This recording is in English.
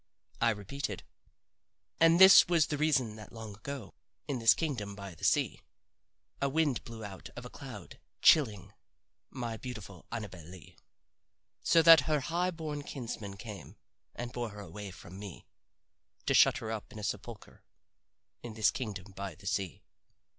I repeated: "'And this was the reason that long ago, In this kingdom by the sea, A wind blew out of a cloud, chilling My beautiful Annabel Lee, So that her high born kinsman came And bore her away from me, To shut her up in a sepulcher In this kingdom by the sea.